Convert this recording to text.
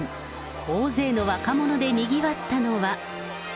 大勢の若者でにぎわったのは。